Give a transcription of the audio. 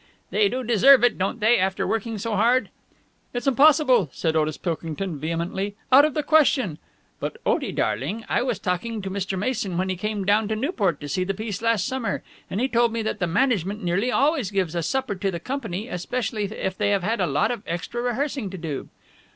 "They do deserve it, don't they, after working so hard?" "It's impossible," said Otis Pilkington vehemently. "Out of the question." "But, Otie, darling, I was talking to Mr. Mason when he came down to Newport to see the piece last summer, and he told me that the management nearly always gives a supper to the company, especially if they have had a lot of extra rehearsing to do."